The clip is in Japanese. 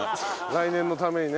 来年のためにね。